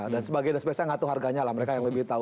dan sebagai dasar nggak tuh harganya lah mereka yang lebih tahu